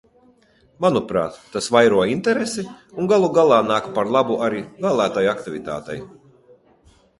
Manuprāt, tas vairo interesi un galu galā nāk par labu arī vēlētāju aktivitātei.